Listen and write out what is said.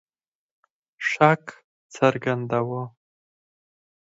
شک څرګنداوه.